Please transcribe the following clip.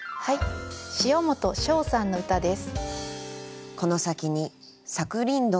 塩本抄さんの歌です。